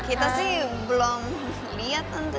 kita sih belum liat tante